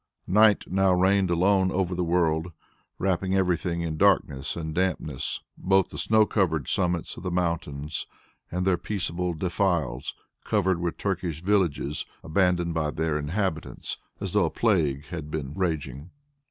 Night now reigned alone over the world, wrapping everything in darkness and dampness both the snow covered summits of the mountains and their peaceable defiles covered with Turkish villages abandoned by their inhabitants as though a plague had been raging.